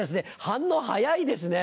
反応早いですね。